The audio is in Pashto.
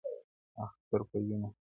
• اختر په وینو -